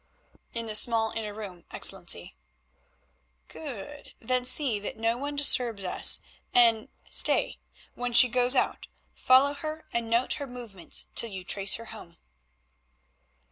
"In the small inner room, Excellency." "Good, then see that no one disturbs us, and—stay, when she goes out follow her and note her movements till you trace her home."